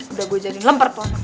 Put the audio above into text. udah gue jadi lempar tuan nak